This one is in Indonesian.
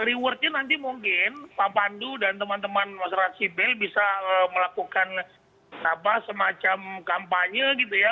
rewardnya nanti mungkin pak pandu dan teman teman masyarakat sipil bisa melakukan semacam kampanye gitu ya